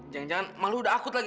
jangan jangan malu udah akut lagi